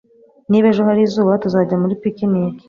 Niba ejo hari izuba, tuzajya muri picnic.